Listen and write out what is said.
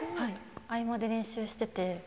合間で練習をしていて。